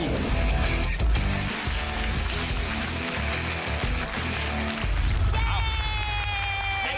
เย้